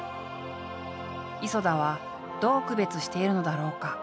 磯田はどう区別しているのだろうか？